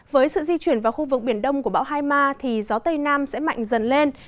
với sự di chuyển vào khu vực biển đông của bão hai ma thì gió tây nam sẽ mạnh dần lên